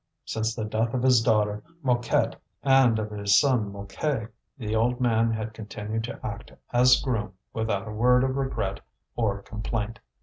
Since the death of his daughter Mouquette, and of his son Mouquet, the old man had continued to act as groom without a word of regret or complaint.